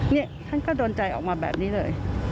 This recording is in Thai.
นี่ท่านก็โดนใจออกมาแบบนี้เลย